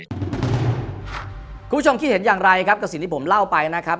คุณผู้ชมคิดเห็นอย่างไรครับกับสิ่งที่ผมเล่าไปนะครับ